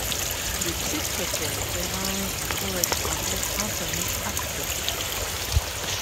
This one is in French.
Le titre fait référence du poète français Antonin Artaud.